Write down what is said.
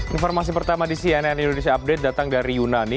informasi pertama di cnn indonesia update datang dari yunani